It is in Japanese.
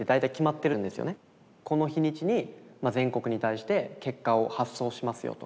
この日にちに全国に対して結果を発送しますよと。